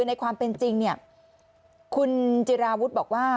ในความเป็นจริงเนี่ยคุณจิราวุฒิบอกว่า